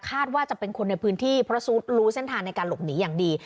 ว่าจะเป็นคนในพื้นที่เพราะซุดรู้เส้นทางในการหลบหนีอย่างดี